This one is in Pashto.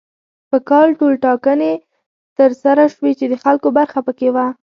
په کال ټولټاکنې تر سره شوې چې د خلکو برخه پکې وه.